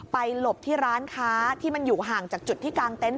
หลบที่ร้านค้าที่มันอยู่ห่างจากจุดที่กางเต็นต